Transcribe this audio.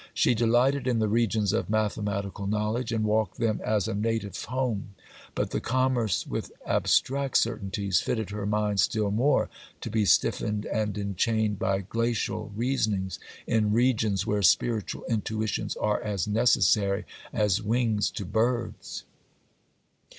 She delighted in the regions of mathematical knowledge, and walked them as a native home; but the commerce with abstract certainties fitted her mind still more to be stiffened and enchained by glacial reasonings, in regions where spiritual intuitions are as necessary as wings to birds.